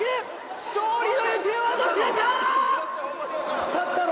勝利のゆくえはどちらか！